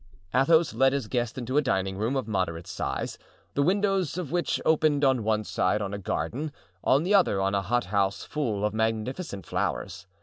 Athos led his guest into a dining room of moderate size, the windows of which opened on one side on a garden, on the other on a hot house full of magnificent flowers.